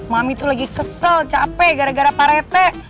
mami tuh lagi kesel capek gara gara pak rt